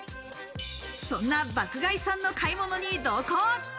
そんな爆買いさんの買い物に同行。